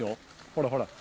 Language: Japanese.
ほらほら。